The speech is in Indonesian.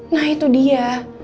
nah itu dia